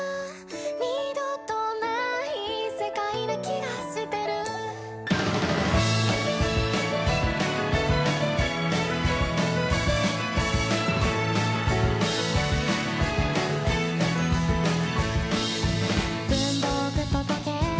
「二度とない世界な気がしてる」「文房具と時計